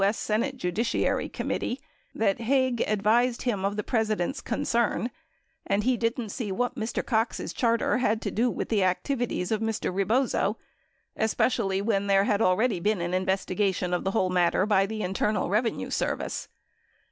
S. Senate Judiciary Committee that Haig advised him of the President's concern and "he didn't see what Mr. Cox's charter had to do Avith the activities of Mr. Rebozo, especially Avhen there had already been an investigation of the Avhole matter by the Internal Revenue Service."